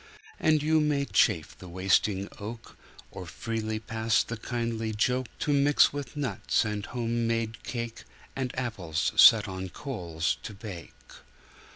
And you may chafe the wasting oak, Or freely pass the kindly joke To mix with nuts and home made cake And apples set on coals to bake.